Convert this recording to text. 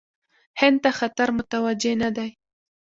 هند ته خطر متوجه نه دی.